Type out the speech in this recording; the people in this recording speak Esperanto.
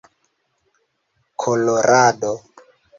kolorado